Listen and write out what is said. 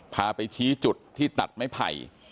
พาไปชี้จุดที่ตัดไม้ไผ่